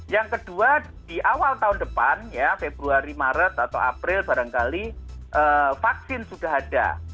yang kedua di awal tahun depan ya februari maret atau april barangkali vaksin sudah ada